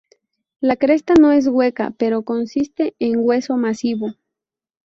La cresta no es hueca pero consiste en hueso masivo.